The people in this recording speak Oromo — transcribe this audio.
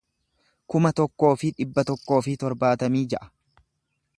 kuma tokkoo fi dhibba tokkoo fi torbaatamii ja'a